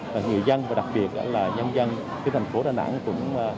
người dân và đặc biệt nhân dân thành phố đà nẵng